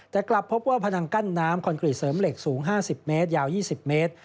แต่กลับพบว่าพนังกั้นน้ำคอนกรีตเสริมเหล็กสูง๕๐เมตรยาว๒๐เมตร